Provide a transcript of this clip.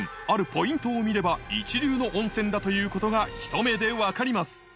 ポイントを見れば一流の温泉だということがひと目で分かります